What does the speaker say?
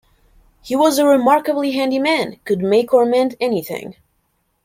He was a remarkably handy man — could make or mend anything.